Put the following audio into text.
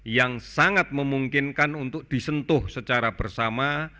yang sangat memungkinkan untuk disentuh secara bersama